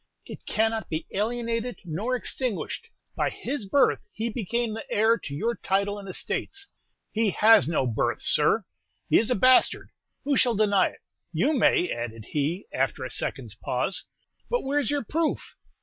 It cannot be alienated nor extinguished; by his birth he became the heir to your title and estates." "He has no birth, sir, he is a bastard: who shall deny it? You may," added he, after a second's pause; "but where's your proof?